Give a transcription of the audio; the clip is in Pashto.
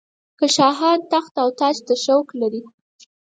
که شاهان تخت او تاج ته شوق لري.